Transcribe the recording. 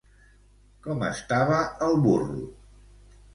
Com estava el burro?